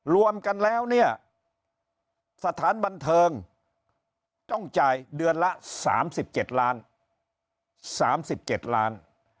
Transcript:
รวมกันแล้วเนี่ยสถานบันเทิงต้องจ่ายเดือนละ๓๗๓๗ล้าน